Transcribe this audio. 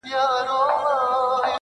د فکرونه، ټوله مزخرف دي.